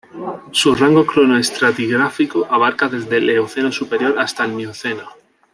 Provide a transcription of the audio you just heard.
Su rango cronoestratigráfico abarca desde el Eoceno superior hasta el Mioceno.